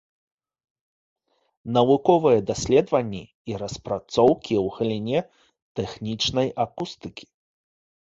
Навуковыя даследаванні і распрацоўкі ў галіне тэхнічнай акустыкі.